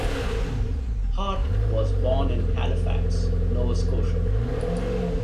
Hart was born in Halifax, Nova Scotia.